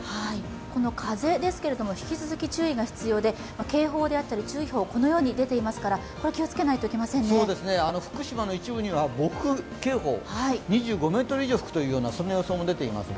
この風ですが引き続き注意が必要で警報や注意報、このように出ていますから福島の一部には暴風警報、２５メートル以上出るという予想も出てます。